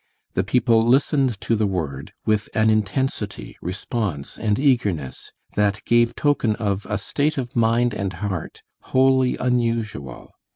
The people listened to the Word with an intensity, response, and eagerness that gave token of a state of mind and heart wholly unusual.